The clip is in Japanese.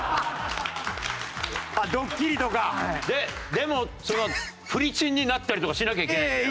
でもフルチンになったりとかしなきゃいけないんでしょ？